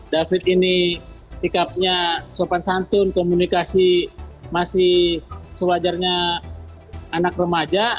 david ini sikapnya sopan santun komunikasi masih sewajarnya anak remaja